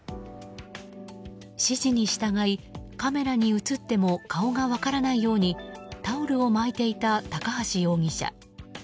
指示に従い、カメラに映っても顔が分からないようにタオルを巻いていた高橋容疑者。